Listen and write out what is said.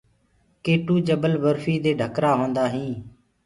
ڪي ٽو جبل برفيٚ دي ڍڪرآ هوندآ هينٚ۔